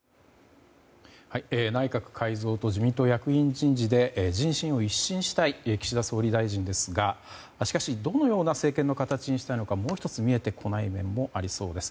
内閣改造と自民党役員人事で人心を一新したい岸田総理大臣ですがしかし、どのような政権の形にしたいのかもう１つ見えてこないものもありそうです。